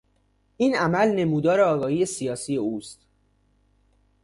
این عمل نمودار آگاهی سیاسی او ست.